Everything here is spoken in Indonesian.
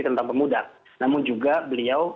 tentang pemuda namun juga beliau